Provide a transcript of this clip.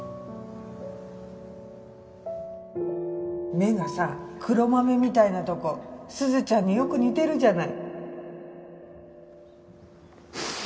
目がさ黒豆みたいなとこ鈴ちゃんによく似てるじゃない。